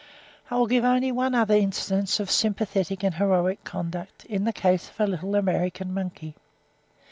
I will give only one other instance of sympathetic and heroic conduct, in the case of a little American monkey.